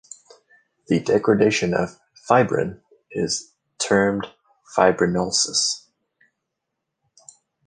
The degradation of fibrin is termed fibrinolysis.